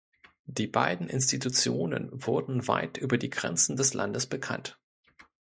Die beiden Institutionen wurden weit über die Grenzen des Landes bekannt.